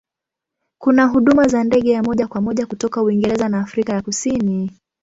Kuna huduma za ndege ya moja kwa moja kutoka Uingereza na Afrika ya Kusini.